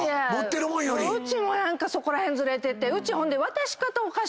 うちもそこら辺ずれててうちほんで。